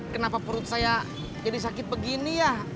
kenapa perut saya jadi sakit begini ya